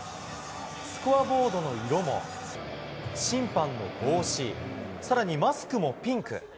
スコアボードの色も審判の帽子、さらにマスクもピンク。